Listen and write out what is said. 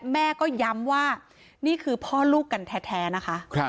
แม่ก็ย้ำว่านี่คือพ่อลูกกันแท้นะคะ